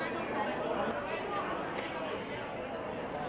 เพลงพี่หวาย